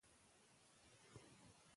جنت